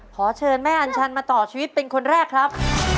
ขอเชิญแม่อัญชันมาต่อชีวิตเป็นคนแรกครับ